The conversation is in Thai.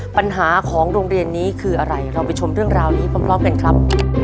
ปัญหาของโรงเรียนนี้คืออะไรเราไปชมเรื่องราวนี้พร้อมกันครับ